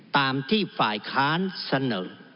ตามที่ฝ่ายค้านเสนอ